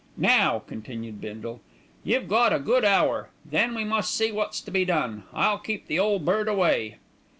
"Now," continued Bindle, "you got a good hour, then we must see wot's to be done. I'll keep the Ole Bird away."